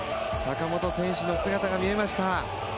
坂本選手の姿が見えました。